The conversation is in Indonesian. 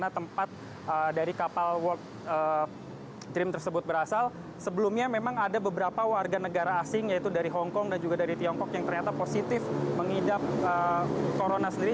terim tersebut berasal sebelumnya memang ada beberapa warga negara asing yaitu dari hongkong dan juga dari tiongkok yang ternyata positif mengidap corona sendiri